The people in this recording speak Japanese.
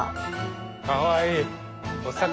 かわいい！